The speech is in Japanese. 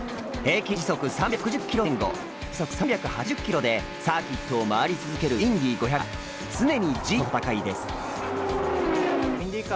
平均時速３６０キロ前後最高時速３８０キロでサーキットを回り続けるインディ５００は常にＧとの戦いです。